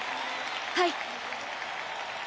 はい！